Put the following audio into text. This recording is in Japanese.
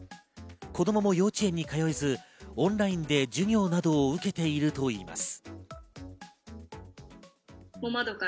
子供も幼稚園に通えずオンラインで授業などを受けているといいます。